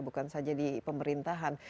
bukan saja di pemerintahan